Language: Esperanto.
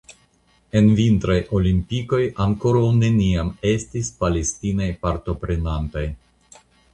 En vintraj olimpikoj ankoraŭ neniam estis Palestinaj partoprenantoj.